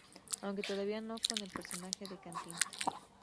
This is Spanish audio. Aunque todavía no con el personaje de Cantinflas.